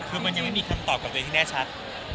คือมันยังไม่มีคำตอบกับตัวเองที่แน่ชัด